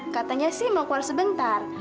katanya sih mau keluar sebentar